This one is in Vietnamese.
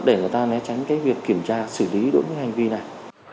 để người ta né tránh cái việc kiểm tra xử lý đối với hành vi này